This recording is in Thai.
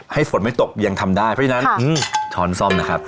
ฝนไม่ตกยังทำได้เพราะฉะนั้นช้อนซ่อมนะครับ